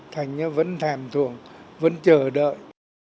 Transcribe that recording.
thành vẫn thèm thuộc vẫn chờ đợi